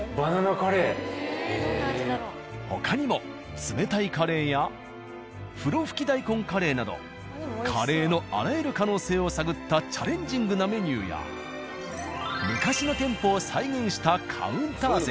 他にも冷たいカレーやふろふき大根カレーなどカレーのあらゆる可能性を探ったチャレンジングなメニューや昔の店舗を再現したカウンター席。